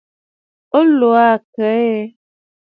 O lɔ̀ɔ̀ aa àkə̀ aa ɛ?